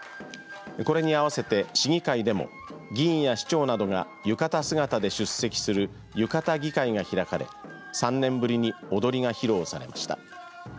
これに合わせて市議会でも議員や市長などが浴衣姿で出席する浴衣議会が開かれ３年ぶりにおどりが披露されました。